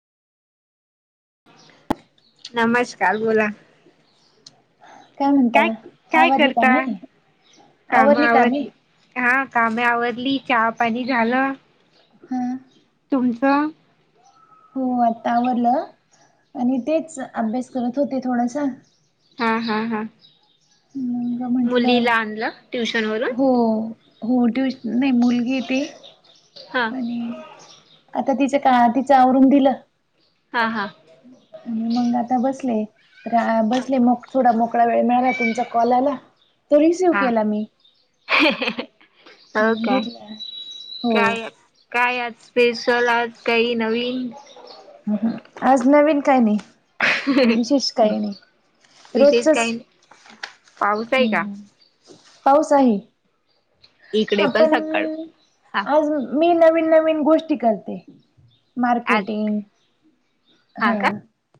नमस्कार बोला. काय काय आवरली करता कामे काम आवरली आव कामे हा कामे आवरली चहा पाणी झालं. हम. तुमच? हो आता आवरलं आणि तेच अभ्यास करत होते थोडसा. हा हा हा. मग म्हंटलं मुलीला आणलं ट्युशन वरून? हो हो ट्युशन नाही मुलगी ते हा आणि आता तिच का तिचं आवरुन दिलं. हा हा. आणि मग आता बसले तर आ बसले मग. थोडा मोकळा वेळ मिळाला तुमचा कॉल आला त रिसिव्ह हा केला मी. हो हं, काय घेतला हो काय. हं, काय आज स्पेशल आज काही नवीन. ह हम आज नवीन काय नाही. विशेष काही नाही विशेष रोजचच काही पाऊस आहे हम् का हम पाऊस आहे इकडे पण सकाळ हा आज मी नवीन नवीन गोष्टी करते. आज मार्केटिंग हा.